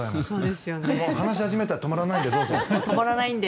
話し始めたら止まらないのでどうぞ。